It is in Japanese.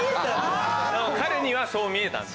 彼にはそう見えたんです。